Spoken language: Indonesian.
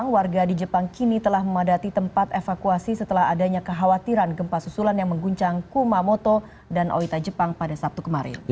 warga di jepang kini telah memadati tempat evakuasi setelah adanya kekhawatiran gempa susulan yang mengguncang kumamoto dan oita jepang pada sabtu kemarin